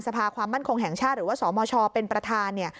ความมั่นคงแห่งชาติหรือว่าสมชเป็นประธานเนี่ย